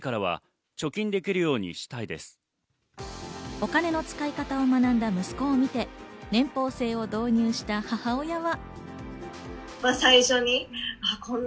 お金の使い方を学んだ息子を見て年俸制を導入した母親は。